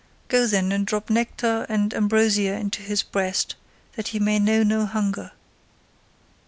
Go then and drop nectar and ambrosia into his breast, that he may know no hunger."